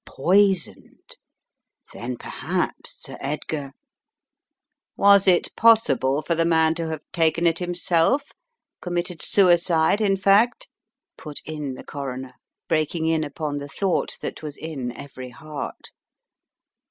Poisoned! Then perhaps Sir Edgar "Was it possible for the man to have taken it himself; committed suicide, in fact?" put in the Coroner, breaking in upon the thought that was in every heart.